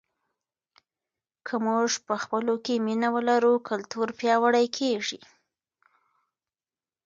که موږ په خپلو کې مینه ولرو کلتور پیاوړی کیږي.